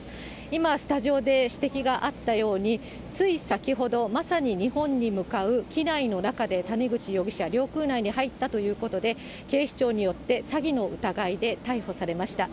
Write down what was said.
今、スタジオで指摘があったように、つい先ほど、まさに日本に向かう機内の中で谷口容疑者、領空内に入ったということで、警視庁によって詐欺の疑いで逮捕されました。